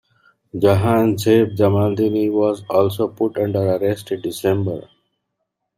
Jahanzeb Jamaldini was also put under arrest in December.